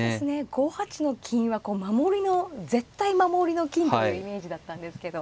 ５八の金はこう守りの絶対守りの金というイメージだったんですけど。